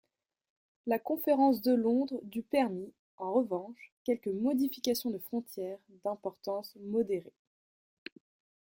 La conférence de Londres du permit en revanche quelques modifications de frontières d'importance modérée.